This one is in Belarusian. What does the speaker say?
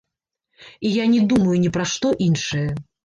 І я не думаю ні пра што іншае.